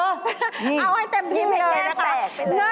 เอาให้เต็มที่เลยแก้ค่ะ